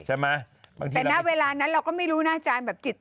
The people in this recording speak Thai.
แต่หน้าเวลานั้นที่เราก็ไม่รู้นะจาบจิตสุด